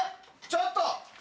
ちょっと！